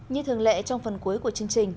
như thường lệ trong phần cuối của chương trình